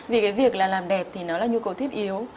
vì việc làm đẹp thì nó là nhu cầu thiết yếu